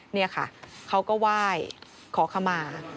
นี่ค่ะเขาก็ไหว้ขอขมา